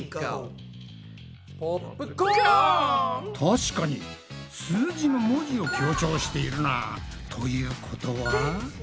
確かに数字の文字を強調しているな。ということは？